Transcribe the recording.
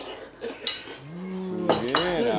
「すげえなあ」